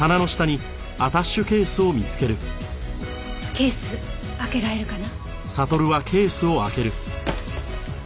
ケース開けられるかな？